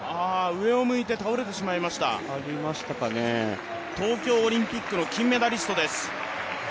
上を向いて倒れてしまいました、東京オリンピックの金メダリストです。